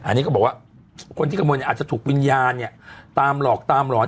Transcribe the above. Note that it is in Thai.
อันนี้ก็บอกว่าคนที่ขโมยเนี่ยอาจจะถูกวิญญาณเนี่ยตามหลอกตามหลอน